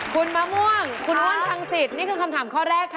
คุณมะม่วงคุณม่วนคลังศิษย์นี่คือคำถามข้อแรกค่ะ